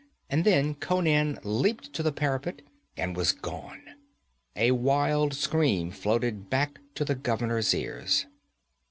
and then Conan leaped to the parapet and was gone. A wild scream floated back to the governor's ears.